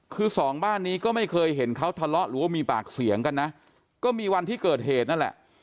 คือสองบ้านนี้ก็ไม่เคยเห็นเขาทะเลาะหรือว่ามีปากเสียงกันนะก็มีวันที่เกิดเหตุนั่นแหละ